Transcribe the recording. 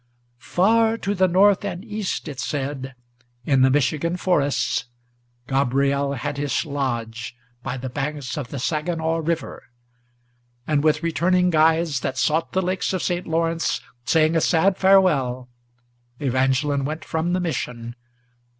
Far to the north and east, it said, in the Michigan forests, Gabriel had his lodge by the banks of the Saginaw river. And, with returning guides, that sought the lakes of St. Lawrence, Saying a sad farewell, Evangeline went from the Mission.